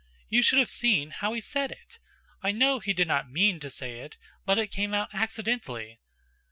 "You should have seen how he said it! I know he did not mean to say it, but it came out accidently."